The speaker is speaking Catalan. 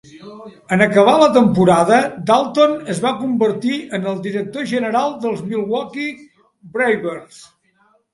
En acabar la temporada, Dalton es va convertir en el director general dels Milwaukee Brewers.